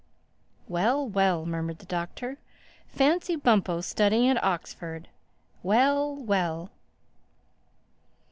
"Well, well," murmured the Doctor. "Fancy Bumpo studying at Oxford—Well, well!"